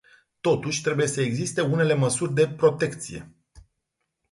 Totuși, trebuie să existe unele măsuri de protecție.